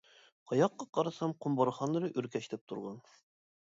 قاياققا قارىسا قۇم بارخانلىرى ئۆركەشلەپ تۇرغان.